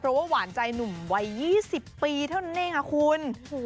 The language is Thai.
เพราะว่าหวานใจหนุ่มวัย๒๐ปีเท่านั้นเองค่ะคุณ